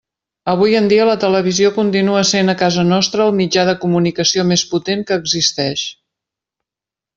Avui en dia la televisió continua sent a casa nostra el mitjà de comunicació més potent que existeix.